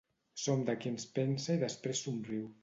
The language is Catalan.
Som de qui ens pensa i després somriu.